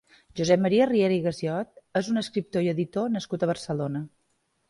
Josep Maria Riera i Gassiot és un escriptor i editor nascut a Barcelona.